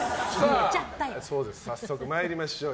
早速参りましょう。